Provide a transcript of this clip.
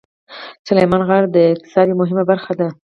سلیمان غر د اقتصاد یوه مهمه برخه ده.